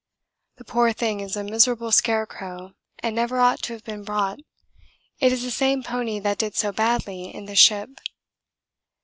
The poor thing is a miserable scarecrow and never ought to have been brought it is the same pony that did so badly in the ship.